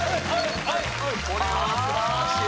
これは素晴らしい！